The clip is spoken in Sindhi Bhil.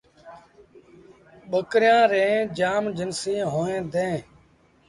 ٻڪريآݩ ريٚݩ جآم جنسيٚݩ هوئيݩ ديٚݩ۔